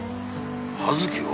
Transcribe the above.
葉月を？